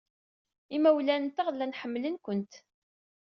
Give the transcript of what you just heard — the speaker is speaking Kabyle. Imawlan-nteɣ llan ḥemmlen-kent.